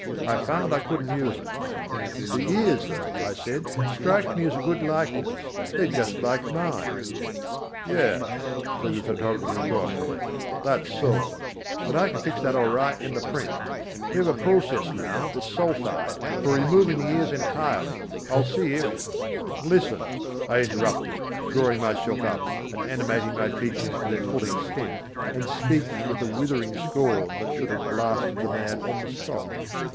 I found I couldn't use it." "The ears, though," I said, "strike me as a good likeness; they're just like mine." [Illustration: "Is it me?"] "Yes," said the photographer thoughtfully, "that's so; but I can fix that all right in the print. We have a process now the Sulphide for removing the ears entirely. I'll see if " "Listen!" I interrupted, drawing myself up and animating my features to their full extent and speaking with a withering scorn that should have blasted the man on the spot.